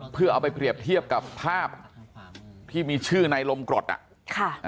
เพื่อเอาไปเปรียบเทียบกับภาพที่มีชื่อในลมกรดอ่ะค่ะ